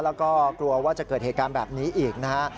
แล้วก็กลัวว่าจะเกิดเหตุการณ์แบบนี้อีกนะฮะ